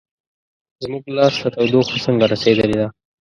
زموږ لاس ته تودوخه څنګه رسیدلې ده؟